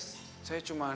satu misi bingung